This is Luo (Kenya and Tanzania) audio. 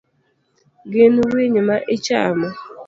Gin winy ma ichamo?